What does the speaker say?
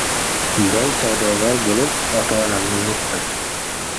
• Boy savdogar bo‘lib, ota-onamni unutdim.